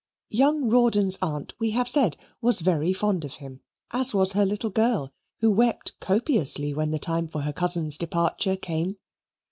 Young Rawdon's aunt, we have said, was very fond of him, as was her little girl, who wept copiously when the time for her cousin's departure came.